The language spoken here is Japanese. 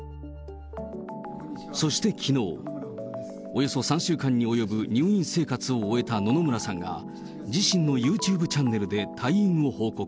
そしてきのう、およそ３週間に及ぶ入院生活を終えた野々村さんが、自身のユーチューブチャンネルで退院を報告。